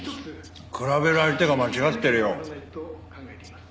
比べる相手が間違ってるよ。